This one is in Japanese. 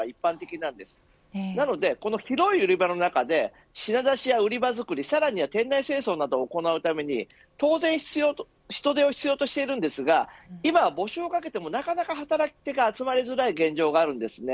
なので、広い売り場の中で品出しや売り場づくりさらには店内清掃などを行うために当然人手が必要ですが今は募集をかけてもなかなか働き手が集まりづらい現状です。